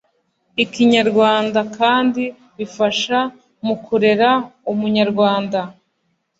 Ikinyarwanda kandi bifasha mu kurera Umunyarwanda